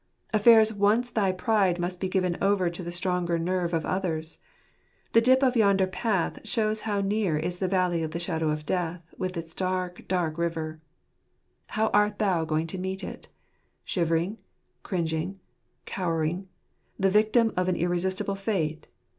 Affairs once thy pride must be given over to the stronger nerve of others. The dip in yonder path shows how near is the valley of the shadow of death, with its dark, dark river. How art thou going to meet it ? Shiver ing, cringing, cowering, the victim of an irresistible fate?